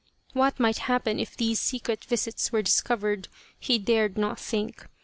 What might happen if these secret visits were discovered he dared not think.